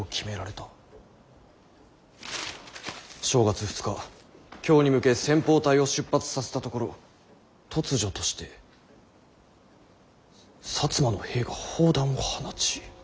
正月２日京に向け先鋒隊を出発させたところ突如として摩の兵が砲弾を放ち」。